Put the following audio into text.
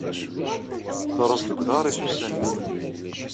Teṛṛeẓ deg uḍaṛ-is ussan nni.